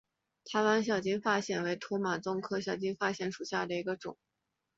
台湾小金发藓为土马鬃科小金发藓属下的一个种。